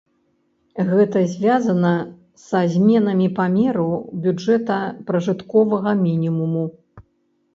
Гэта звязана са зменамі памеру бюджэта пражытковага мінімуму.